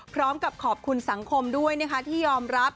พร้อมกับขอบคุณสังคมด้วยนะคะที่ยอมรับ